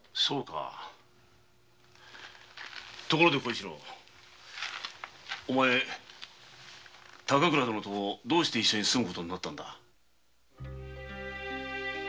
そうかところで小一郎お前は高倉殿とどうして一緒に住むことになったんだ？